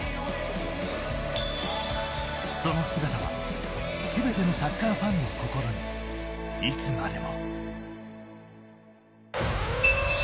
その姿は全てのサッカーファンの心にいつまでも。